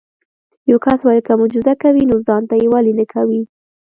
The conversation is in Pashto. یو کس وویل که معجزه کوي نو ځان ته یې ولې نه کوې.